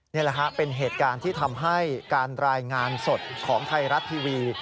นี่แหละฮะเป็นเหตุการณ์ที่ทำให้การรายงานสดของไทยรัฐทีวี